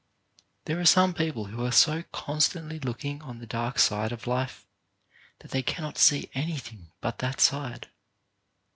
There are some people who are so constantly looking on the dark side of life that they cannot see anything but that side.